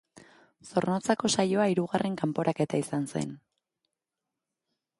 Zornotzako saioa hirugarren kanporaketa izan zen.